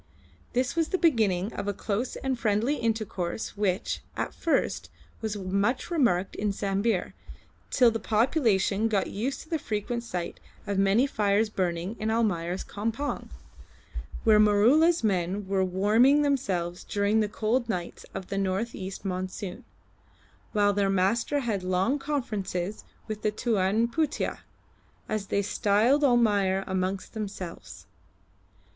This was the beginning of a close and friendly intercourse which, at first, was much remarked in Sambir, till the population got used to the frequent sight of many fires burning in Almayer's campong, where Maroola's men were warming themselves during the cold nights of the north east monsoon, while their master had long conferences with the Tuan Putih as they styled Almayer amongst themselves.